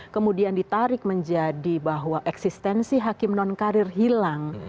kemudian ditarik menjadi bahwa eksistensi hakim non karir hilang